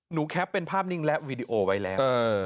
แคปเป็นภาพนิ่งและวีดีโอไว้แล้ว